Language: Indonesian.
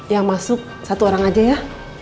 yang masuk satu orang aja ya